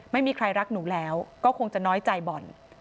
ไม่มีใครรักหนูแล้วก็คงจะน้อยใจบ่อน